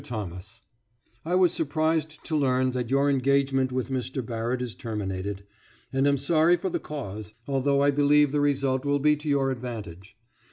THOMAS: I was surprised to learn that your engagement with Mr. Barrett is terminated, and am sorry for the cause, although I believe the result will be to your advantage.